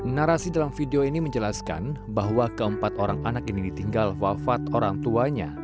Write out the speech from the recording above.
narasi dalam video ini menjelaskan bahwa keempat orang anak ini ditinggal wafat orang tuanya